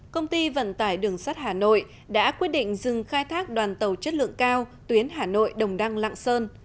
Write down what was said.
công ty vận tải đường sắt hà nội đã quyết định dừng khai thác đoàn tàu chất lượng cao tuyến hà nội đồng đăng lạng sơn